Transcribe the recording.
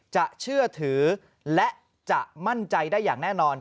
เชื่อถือและจะมั่นใจได้อย่างแน่นอน